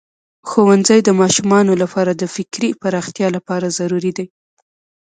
ښوونځی د ماشومانو لپاره د فکري پراختیا لپاره ضروری دی.